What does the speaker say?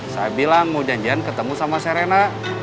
saya bilang mau janjian ketemu sama serena